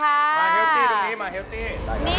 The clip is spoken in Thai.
มาเฮลตี้ตรงนี้มาเฮลตี้